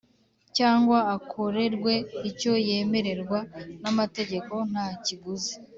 cyangwa akorerwe icyo yemererwa n'amategeko nta kiguzi,